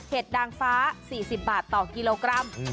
นางฟ้า๔๐บาทต่อกิโลกรัม